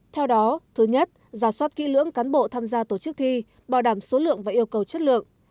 theo đó thứ nhất giả soát kỹ lưỡng cán bộ tham gia tổ chức thi bảo đảm số lượng và yêu cầu chất lượng